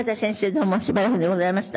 どうもしばらくでございました。